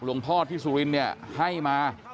หลวงพ่อที่สุรินต์ให้มา